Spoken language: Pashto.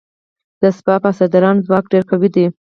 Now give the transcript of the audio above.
د سپاه پاسداران ځواک ډیر قوي دی.